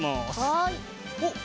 はい。